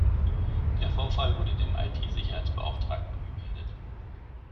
Der Vorfall wurde dem I-T-Sicherheitsbeauftragten gemeldet.